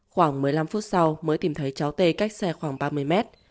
khoảng một mươi năm phút sau mới tìm thấy cháu tê cách xe khoảng ba mươi mét